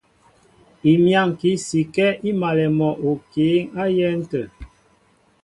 Imyáŋki sikɛ́ í malɛ mɔ okǐ á yɛ́n tə̂.